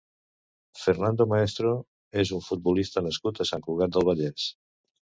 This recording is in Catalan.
Fernando Maestro és un futbolista nascut a Sant Cugat del Vallès.